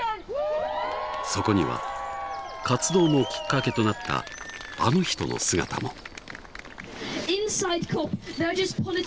そこには活動のきっかけとなったあの人の姿も。